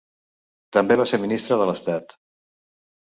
També va ser ministre de l'estat.